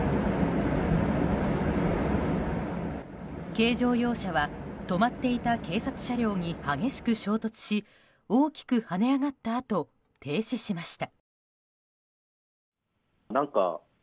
軽乗用車は、止まっていた警察車両に激しく衝突し大きく跳ね上がったあと停止しました。